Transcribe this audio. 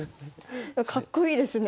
かっこいいですね。